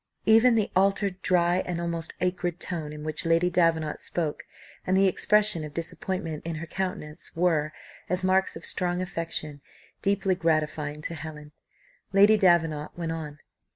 Even the altered, dry, and almost acrid tone in which Lady Davenant spoke, and the expression of disappointment in her countenance were, as marks of strong affection, deeply gratifying to Helen. Lady Davenant went on.